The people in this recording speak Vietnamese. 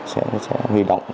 sẽ huy động